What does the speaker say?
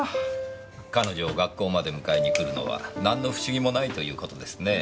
彼女を学校まで迎えに来るのはなんの不思議もないという事ですねえ。